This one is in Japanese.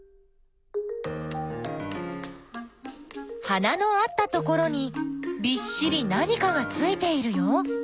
花のあったところにびっしり何かがついているよ。